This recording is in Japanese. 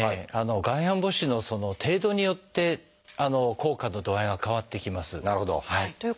外反母趾の程度によって効果の度合いが変わってきます。